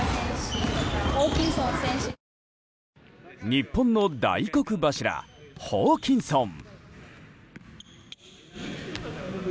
日本の大黒柱、ホーキンソン。